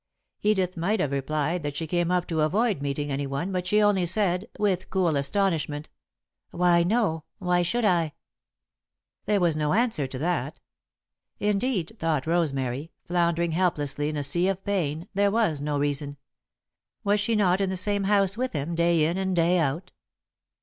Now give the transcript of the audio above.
Edith might have replied that she came up to avoid meeting anyone, but she only said, with cool astonishment: "Why, no. Why should I?" There was no answer to that. Indeed, thought Rosemary, floundering helplessly in a sea of pain, there was no reason. Was she not in the same house with him, day in and day out?